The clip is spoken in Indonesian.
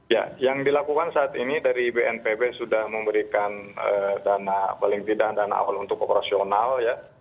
ya yang dilakukan saat ini dari bnpb sudah memberikan dana paling tidak dana awal untuk operasional ya